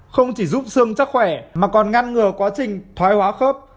không chỉ giúp xương chắc khỏe mà còn ngăn ngừa quá trình thoái hóa khớp